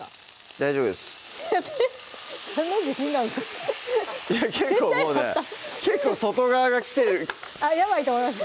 大丈夫です何の自信なんですかいや結構もうね結構外側がきてるあっやばいと思いました？